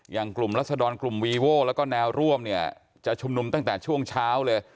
กลุ่มรัศดรกลุ่มวีโว้แล้วก็แนวร่วมเนี่ยจะชุมนุมตั้งแต่ช่วงเช้าเลย